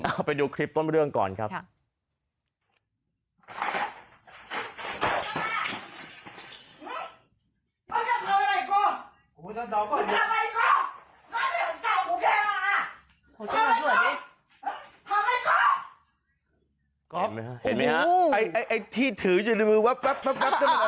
เอาไปดูคลิปต้นเรื่องก่อนครับ